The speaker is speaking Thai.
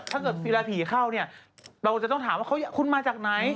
ถ้าเกิดศิราถีเข้าเนี่ยเราจะต้องถามว่าคุณมาจากไหน